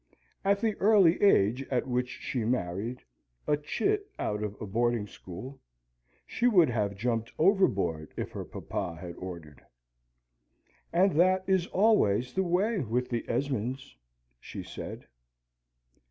At the early age at which she married a chit out of a boarding school she would have jumped overboard if her papa had ordered. "And that is always the way with the Esmonds," she said.